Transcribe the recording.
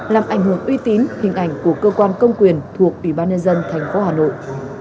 làm ảnh hưởng uy tín hình ảnh của cơ quan công quyền thuộc ủy ban nhân dân tp hà nội